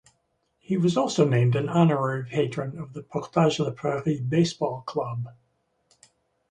He was also named an honorary patron of the Portage la Prairie Baseball Club.